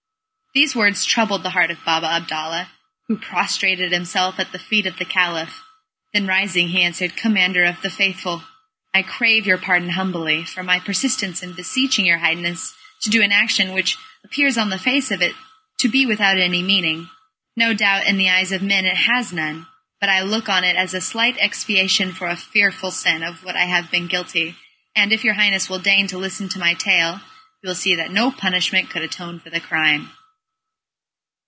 These words troubled the heart of Baba Abdalla, who prostrated himself at the feet of the Caliph. Then rising, he answered: "Commander of the Faithful, I crave your pardon humbly, for my persistence in beseeching your Highness to do an action which appears on the face of it to be without any meaning. No doubt, in the eyes of men, it has none; but I look on it as a slight expiation for a fearful sin of which I have been guilty, and if your Highness will deign to listen to my tale, you will see that no punishment could atone for the crime."